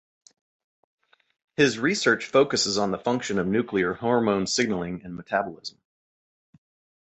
His research focuses on the function of nuclear hormone signaling and metabolism.